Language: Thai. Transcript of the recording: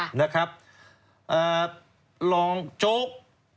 ค่ะนะครับลองจุก